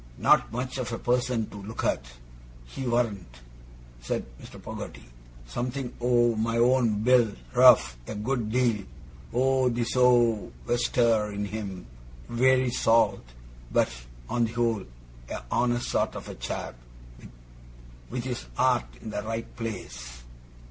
Not much of a person to look at, he warn't,' said Mr. Peggotty, 'something o' my own build rough a good deal o' the sou' wester in him wery salt but, on the whole, a honest sort of a chap, with his art in the right place.